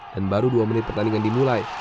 dan baru dua menit pertandingan dimulai